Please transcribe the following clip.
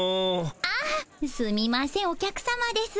あっすみませんお客さまです。